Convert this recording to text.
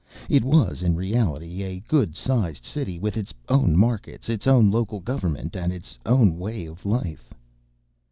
It was, in reality, a good sized city with its own markets, its own local government, and its own way of life.